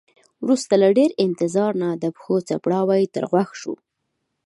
وروسته له ډیر انتظار نه د پښو څپړاوی تر غوږ شو.